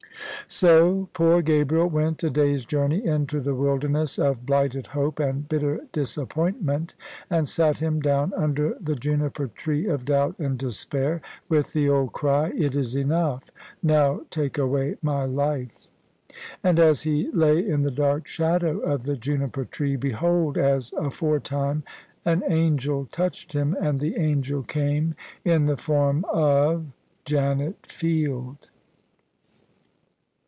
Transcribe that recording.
So poor Gabriel went a day's journey into the wilderness of blighted hope and bitter disappointment, and sat him down under the juniper tree of doubt and despair, with the old cry, " It is enough; now take away my life I " And as he lay in the dark shadow of the juniper tree, behold, as aforetime, an angel touched him; and the angel came in the form of Janet Field.